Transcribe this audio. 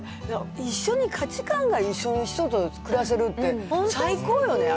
一緒に、価値観が一緒の人と暮らせるって最高よね。